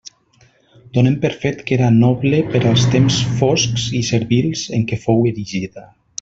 Donem per fet que era noble per als temps foscs i servils en què fou erigida.